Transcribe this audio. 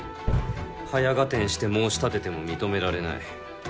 早合点して申立てても認められない。